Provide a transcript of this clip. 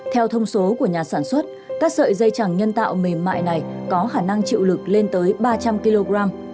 theo thông số của nhà sản xuất các sợi dây chẳng nhân tạo mềm mại này có khả năng chịu lực lên tới ba trăm linh kg